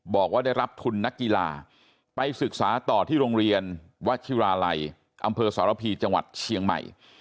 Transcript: บอกว่าได้รับทุนนักกีฬาไปศึกษาต่อที่โรงเรียนวัชิราลัยอำเภอสารพีจังหวัดเชียงใหม่